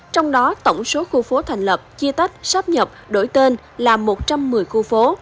trong đó tổng số khu phố thành lập chia tách sáp nhập đổi tên là một trăm một mươi khu phố